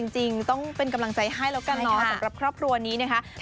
จริงต้องเป็นกำลังใจให้แล้วกันเนาะสำหรับครอบครัวนี้นะคะ